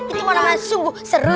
itu mana mana sungguh seru